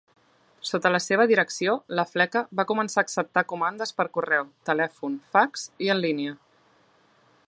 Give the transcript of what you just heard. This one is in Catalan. Sota la seva direcció, la fleca va començar a acceptar comandes per correu, telèfon, fax i en línia.